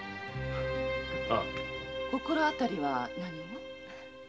心当たりは何も？